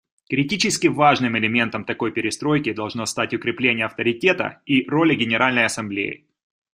Критически важным элементом такой перестройки должно стать укрепление авторитета и роли Генеральной Ассамблеи.